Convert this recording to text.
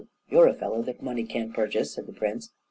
you're a fellow that money can't purchase!" said the prince.